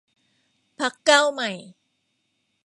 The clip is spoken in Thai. พรรคก้าวใหม่